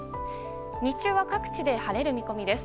日中は各地で晴れる見込みです。